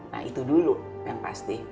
nah itu dulu yang pasti